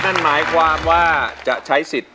นั่นหมายความว่าจะใช้สิทธิ์